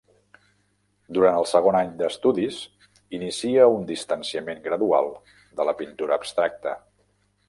Durant el segon any d'estudis, inicia un distanciament gradual de la pintura abstracta.